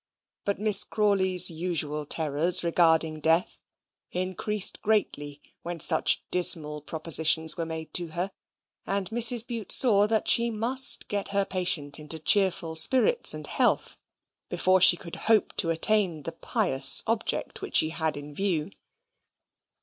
But Miss Crawley's usual terrors regarding death increased greatly when such dismal propositions were made to her, and Mrs. Bute saw that she must get her patient into cheerful spirits and health before she could hope to attain the pious object which she had in view.